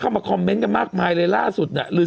มาคอมเมนต์กันมากมายเลยล่าสุดเนี่ย